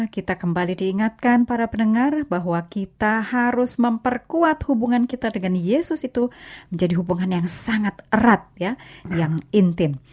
kita kembali diingatkan para pendengar bahwa kita harus memperkuat hubungan kita dengan yesus itu menjadi hubungan yang sangat erat yang intim